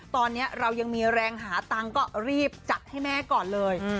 ตอนนี้เรายังมีแรงหาตังค์ก็รีบจัดให้แม่ก่อนเลย